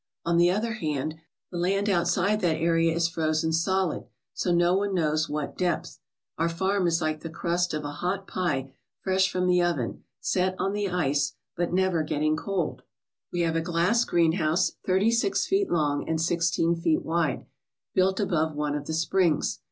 On the other hand, the land outside that area is frozen solid to no one knows what depth. Our farm is like the crust of a hot pie fresh from the oven, set on the ice but never getting cold. 136 HOT SPRINGS IN COLD LANDS "We have a glass greenhouse, thirty six feet long and sixteen feet, wide, built above one of the springs.